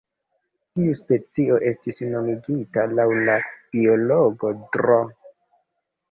Tiu specio estis nomigita laŭ la biologo Dro.